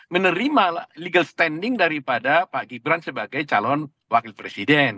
menerima legal standing daripada pak gibran sebagai calon wakil presiden